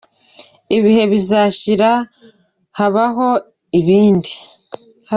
ibihe bizashira habaho ibindi.